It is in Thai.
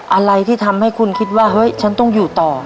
อะไรที่ทำให้คุณคิดว่าเฮ้ยฉันต้องอยู่ต่อ